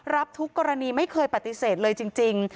รับทุกกรณีไม่เคยปฏิเสธเลยจริง